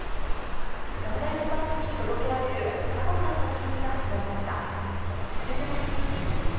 侍ジャパンに届けられる朝ごはんの準備が始まりました。